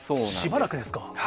しばらくですか。